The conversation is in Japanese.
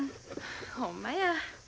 ほんまや。